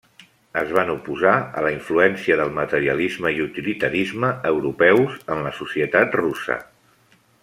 Es van oposar a la influència del materialisme i utilitarisme europeus en la societat russa.